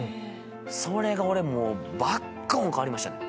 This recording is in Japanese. それが俺もうバッコン変わりましたね。